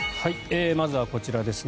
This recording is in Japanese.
まずはこちらですね。